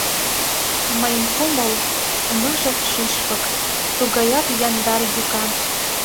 Мыйын кумыл — ныжыл шӱшпык, Тугаяк яндар йӱкан.